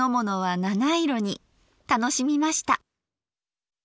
楽しみました。